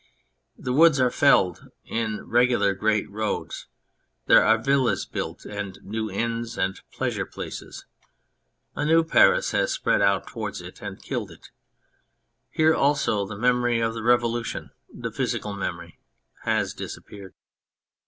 The woods are felled in regular great roads. There are villas built and new inns, and pleasure places. A new Paris has spread out towards it and killed it. Here also the memory of the Revolution, the physical memory, has disappeared.